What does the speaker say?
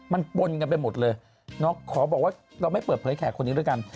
มันปนกันไปหมดเลยขอบอกว่าเราไม่เปิดเผยแขกคนนี้ด้วยกัน